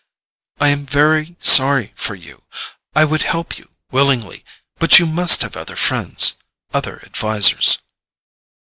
"I am very sorry for you—I would help you willingly; but you must have other friends, other advisers."